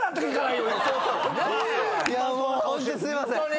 いやもうホントすいません！